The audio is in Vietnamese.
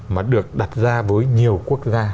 mà được đặt ra với nhiều quốc gia